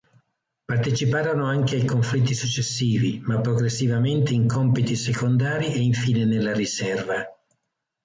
Parteciparono anche ai conflitti successivi, ma progressivamente in compiti secondari e infine nella riserva.